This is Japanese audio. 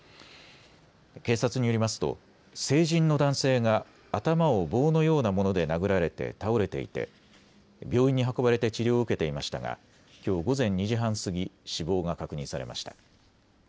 警察によりますと成人の男性が頭を棒のようなもので殴られて倒れていて病院に運ばれて治療を受けていましたがきょう午前２時半過ぎ、死亡が確認されました。